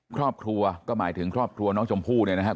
ครอบครัวก็หมายถึงครอบครัวน้องชมพู่เนี่ยนะครับ